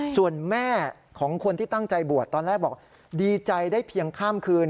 ส่วนแม่ของคนที่ตั้งใจบวชตอนแรกบอกดีใจได้เพียงข้ามคืน